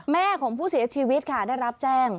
แม่ของผู้เสียชีวิตค่ะได้รับแจ้ง